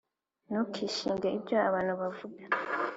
ntukishinge ibyo abantu bavuga.